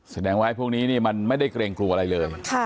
แสดงว่าพวกนี้มันไม่ได้เกรงกลัวอะไรเลย